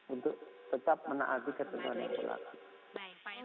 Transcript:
untuk tetap menaati ketentuan yang berlaku